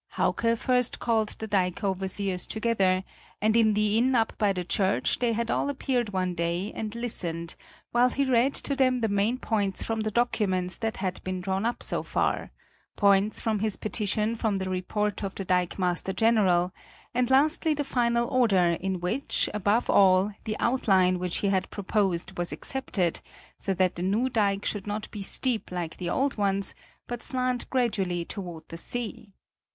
Hauke first called the dike overseers together, and in the inn up by the church they had all appeared one day and listened while he read to them the main points from the documents that had been drawn up so far: points from his petition from the report of the dikemaster general, and lastly the final order in which, above all, the outline which he had proposed was accepted, so that the new dike should not be steep like the old ones, but slant gradually toward the sea.